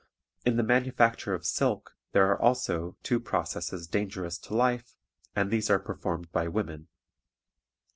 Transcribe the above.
In the manufacture of silk there are also two processes dangerous to life, and these are performed by women.